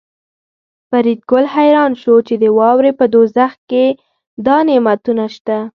فریدګل حیران شو چې د واورې په دوزخ کې دا نعمتونه شته